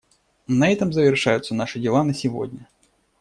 На этом завершаются наши дела на сегодня.